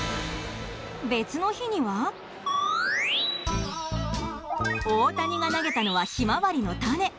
別の日には大谷が投げたのはヒマワリの種。